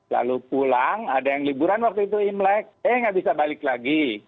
lalu pulang ada yang liburan waktu itu imlek eh nggak bisa balik lagi